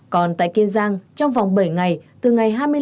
còn tại kiên giang trong vòng bảy ngày từ ngày hai mươi năm